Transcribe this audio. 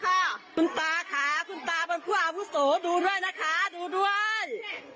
คุณตาค่ะคุณตาเป็นผู้อาวุโสดูด้วยนะคะดูด้วย